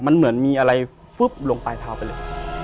มันเหมือนมีอะไรฟึ๊บลงปลายเท้าไปเลย